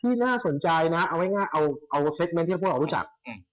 ที่น่าสนใจนะเอาง่ายเอาเฟรกเมนท์ที่พวกเรารู้จัก